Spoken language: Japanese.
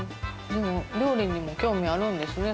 でも料理にも興味あるんですね